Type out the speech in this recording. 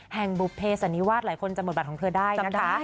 แห่งบุเปสันนี้วาดหลายคนจะหมดบัตรของเธอได้นะคะ